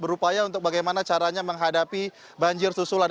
berupaya untuk bagaimana caranya menghadapi banjir susulan